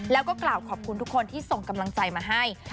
แล้วก็กล่าวขอบคุณทุกคนที่ส่งกำลังใจมาให้